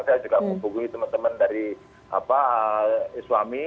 saya juga membungkuk teman teman dari iswami